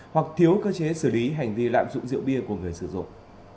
hoặc thiếu cơ chế xử lý hành vi lạm dụng rượu bia của người sử dụng